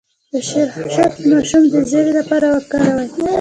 د شیرخشت د ماشوم د ژیړي لپاره وکاروئ